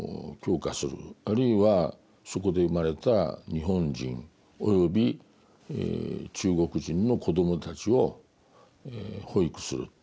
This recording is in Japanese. あるいはそこで生まれた日本人および中国人の子どもたちを保育する。